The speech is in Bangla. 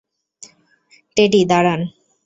টেডি, দাঁড়ান!